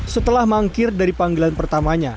setelah mangkir dari panggilan pertamanya